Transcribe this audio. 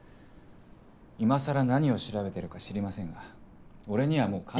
今さら何を調べてるか知りませんが俺にはもう関係。